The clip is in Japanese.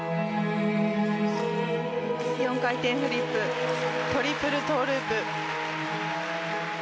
４回転フリップトリプルトウループ。